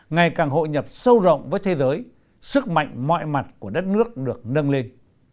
ngày càng hội nhập sâu rộng với thế giới sức mạnh mọi mặt của đất nước được nâng lên